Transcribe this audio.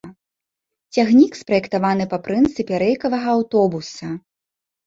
Цягнік спраектаваны па прынцыпе рэйкавага аўтобуса.